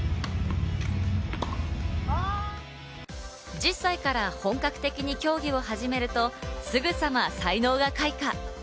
１０歳から本格的に競技を始めると、すぐさま才能が開花。